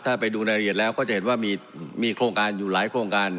ถ้าไปดูรายละเอียดแล้วก็จะเห็นว่ามีโครงการอยู่หลายโครงการ